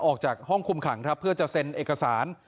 ออกจากห้องคุมขังเพื่อจะซ่อนเอกสาร